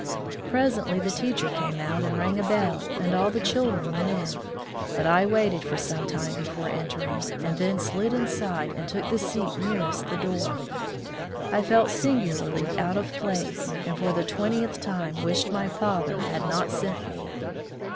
Presently the teacher came out and rang a bell, and all the children went in, but I waited for some time before entering, and then slid inside and took the seat nearest the door. I felt singularly out of place, and for the twentieth time wished my father had not sent me.